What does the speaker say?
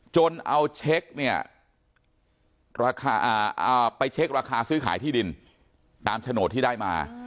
จนเอาเช็คเนี่ยไปเช็คราคาซื้อขายที่ดินตามโฉนดที่ได้มา